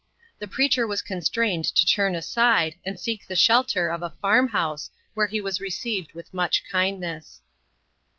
The preacher was constrained to turn aside and seek the shelter of a farm house, where he was received with much kindness.